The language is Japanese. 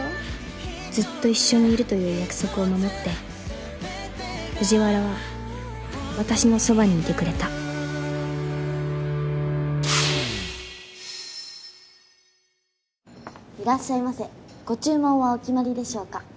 ずっと一緒にいるという約束を守って藤原は私のそばにいてくれたいらっしゃいませご注文はお決まりでしょうか？